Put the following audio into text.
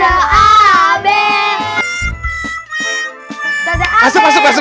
ayo masuk masuk masuk